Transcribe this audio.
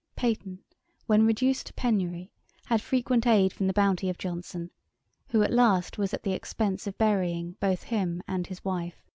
Peyton, when reduced to penury, had frequent aid from the bounty of Johnson, who at last was at the expense of burying both him and his wife.